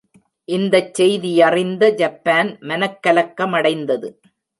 இந்தச் செய்தியறிந்த ஜப்பான் மனக்கலக்கமடைந்தது.